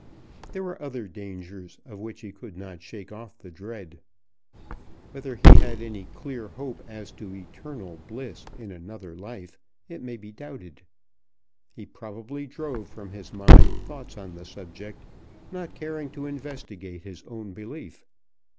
There were other dangers of which he could not shake off the dread. Whether he had any clear hope as to eternal bliss in another life, it may be doubted. He probably drove from his mind thoughts on the subject, not caring to investigate his own belief.